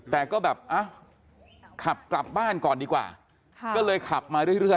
แต่ก็แบบขับกลับบ้านก่อนดีกว่าก็เลยขับมาเรื่อย